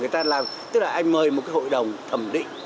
tức là anh mời một hội đồng thẩm định